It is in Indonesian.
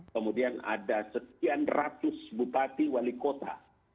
kemudian ada sekian ratus bupati wali kota